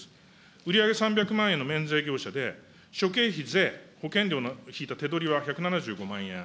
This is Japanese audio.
売り上げ３００万円の免税業者で、諸経費、税、保険料などを引いた手取りは１７５万円。